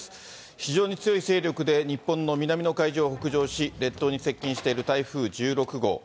非常に強い勢力で日本の南の海上を北上し、列島に接近している台風１６号。